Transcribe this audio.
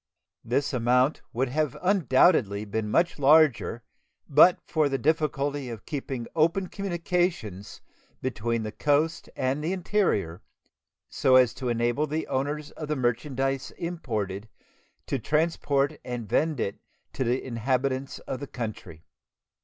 This amount would undoubtedly have been much larger but for the difficulty of keeping open communications between the coast and the interior, so as to enable the owners of the merchandise imported to transport and vend it to the inhabitants of the country.